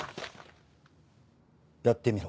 やってみろ。